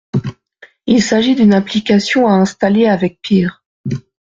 Il s’agit d’une application à installer avec PEAR.